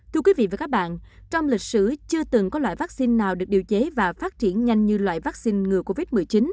thưa quý vị và các bạn trong lịch sử chưa từng có loại vaccine nào được điều chế và phát triển nhanh như loại vaccine ngừa covid một mươi chín